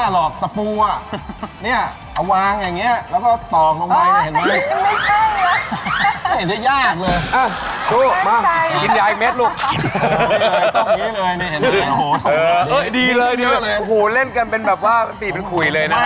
รุ่นเล่นกันเป็นแบบปีเป็นคุยเลยนะครับ